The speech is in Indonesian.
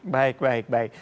baik baik baik